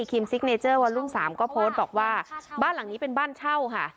ซิกเนเจอร์วันรุ่งสามก็โพสต์บอกว่าบ้านหลังนี้เป็นบ้านเช่าค่ะ